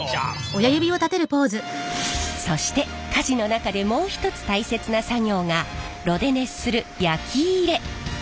そして鍛冶の中でもう一つ大切な作業が炉で熱する焼き入れ。